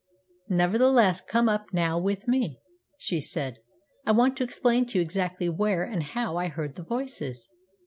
"Nevertheless, come up now with me," she said. "I want to explain to you exactly where and how I heard the voices."